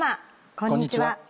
こんにちは。